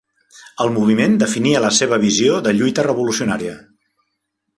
El moviment definia la seva visió de lluita revolucionària.